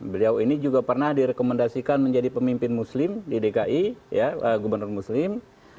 beliau ini juga pernah direkomendasikan menjadi pemimpin muslim di dki gubernur muslim